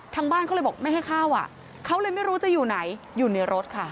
ทางบ้านเขาเลยบอกไม่ให้เข้าอ่ะเขาเลยไม่รู้จะอยู่ไหนอยู่ในรถค่ะ